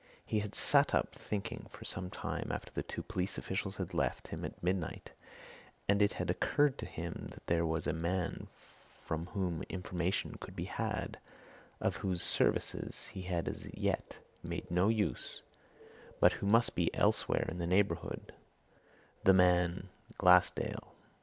He had sat up thinking for some time after the two police officials had left him at midnight, and it had occurred to him that there was a man from whom information could be had of whose services he had as yet made no use but who must be somewhere in the neighbourhood the man Glassdale.